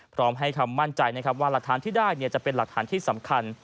พร้อมให้คำมั่นใจนะครับว่าหลักฐานที่ได้จะเป็นหลักฐานที่สำคัญ